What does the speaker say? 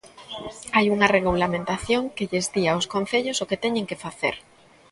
Hai unha regulamentación que lles di aos concellos o que teñen que facer.